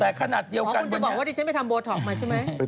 แต่ขนาดเดียวกันคุณจะบอกว่าดิฉันไปทำโบท็อกมาใช่ไหม